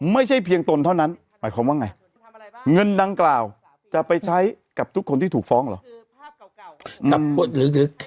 ไม่ใช่เพียงตนเท่านั้นหมายความว่าไงเงินดังกล่าวจะไปใช้กับทุกคนที่ถูกฟ้องเหรอ